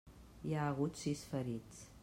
Hi ha hagut sis ferits.